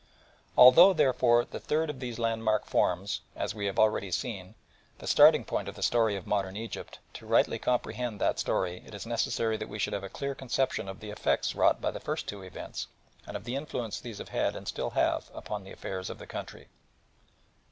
Although, therefore, the third of these landmarks forms, as we have already seen, the starting point of the story of modern Egypt, to rightly comprehend that story it is necessary we should have a clear conception of the effects wrought by the first two events and of the influence these have had and still have upon the affairs of the country.